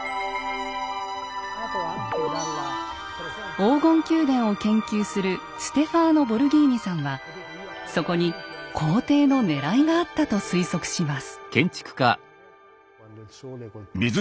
黄金宮殿を研究するステファーノ・ボルギーニさんはそこに皇帝のねらいがあったと推測します。